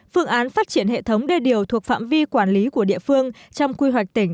phương án phát triển hệ thống đê điều thuộc phạm vi quản lý của địa phương trong quy hoạch tỉnh